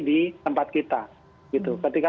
di tempat kita ketika